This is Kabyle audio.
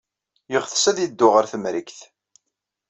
Yeɣtes ad yeddu ɣer Temrikt.